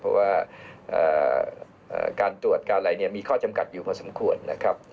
เพราะว่าการตรวจการอะไรเนี่ยมีข้อจำกัดอยู่พอสมควรนะครับ